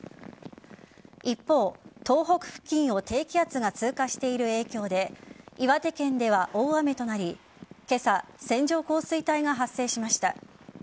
一方、東北付近を低気圧が通過している影響で岩手県では大雨となり今朝、線状降水帯が発生しました。